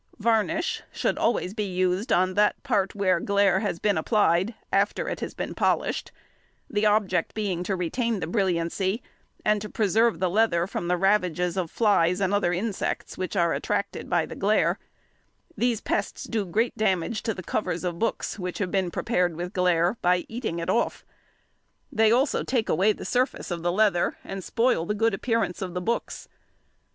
Varnish should always be used on that part where glaire has been applied, after it has been polished; the object being to retain the brilliancy, and to preserve the leather from the ravages of flies and other insects which are attracted by the glaire; these pests do great damage to the covers of books which have been prepared with glaire, by eating it off. They also take away the surface of the leather and spoil the good appearance of the books.